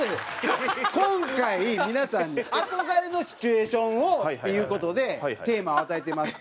今回皆さんに憧れのシチュエーションをっていう事でテーマを与えてまして。